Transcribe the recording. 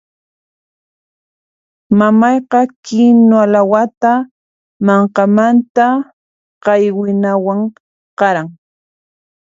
Mamayqa kinuwa lawata mankamanta qaywinawan qaran.